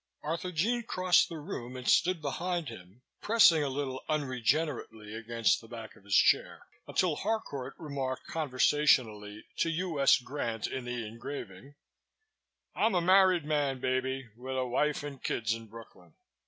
Arthurjean crossed the room and stood behind him, pressing a little unregenerately against the back of his chair, until Harcourt remarked conversationally to U. S. Grant in the engraving, "I'm a married man, baby, with a wife and kids in Brooklyn."